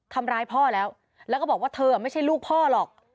ทำร้ายพ่อแล้วแล้วก็บอกว่าเธอไม่ใช่ลูกพ่อหรอก